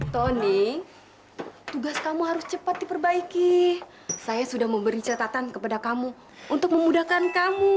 tony tugas kamu harus cepat diperbaiki saya sudah memberi catatan kepada kamu untuk memudahkan kamu